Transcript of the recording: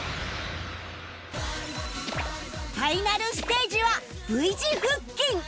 ファイナルステージは Ｖ 字腹筋